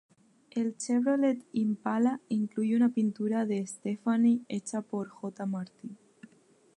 El Chevrolet Impala incluye una pintura de Stefani hecha por J. Martin.